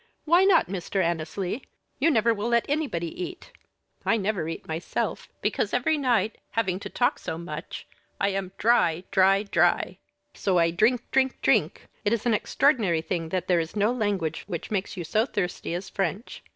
"Why not, Mr. Annesley? You never will let anybody eat I never eat myself, because every night, having to talk so much, I am dry, dry, dry so I drink, drink, drink. It is an extraordinary thing that there is no language which makes you so thirsty as French.